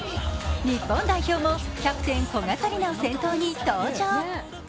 日本代表もキャプテン・古賀紗理那を先頭に登場。